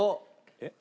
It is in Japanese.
えっ！？